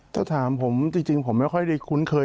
แต่ถามผมจริงผมไม่ค่อยได้คุ้นเคย